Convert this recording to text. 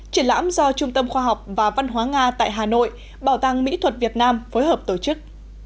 triển lãm do trung tâm khoa học và văn hóa nga tại hà nội bảo tàng mỹ thuật việt nam phối hợp tổ chức